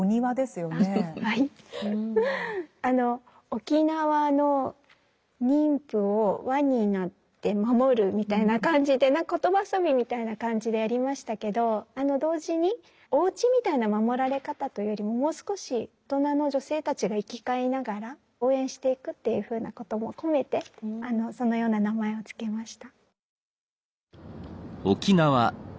「沖縄の妊婦を輪になって守る」みたいな感じで言葉遊びみたいな感じでやりましたけど同時におうちみたいな守られ方というよりももう少し大人の女性たちが行き交いながら応援していくというふうなことも込めてそのような名前を付けました。